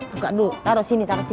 buka dulu taruh sini taruh sini